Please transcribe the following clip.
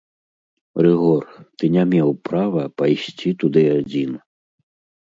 Рыгор, ты не меў права пайсці туды адзін!